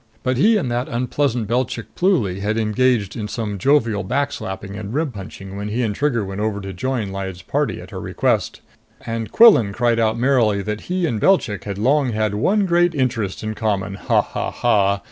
But he and that unpleasant Belchik Pluly had engaged in some jovial back slapping and rib punching when he and Trigger went over to join Lyad's party at her request; and Quillan cried out merrily that he and Belchik had long had one great interest in common ha ha ha!